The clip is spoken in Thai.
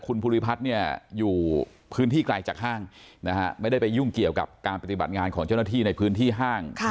คุณภูริพัฒน์เนี่ยอยู่พื้นที่ไกลจากห้างนะฮะไม่ได้ไปยุ่งเกี่ยวกับการปฏิบัติงานของเจ้าหน้าที่ในพื้นที่ห้าง